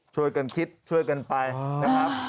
ช่วยกันคิดช่วยกันไปนะครับ